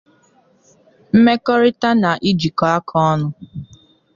mmekọrịta na ijikọaka ọnụ.